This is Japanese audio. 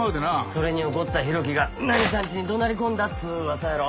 それに怒った浩喜がナミさんちに怒鳴り込んだっつう噂やろ。